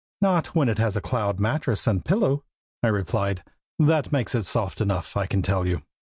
"Not when it has a cloud mattress and pillow," I replied. "That makes it soft enough, I can tell you."